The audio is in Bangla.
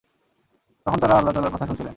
তখন তারা আল্লাহ তাআলার কথা শুনছিলেন।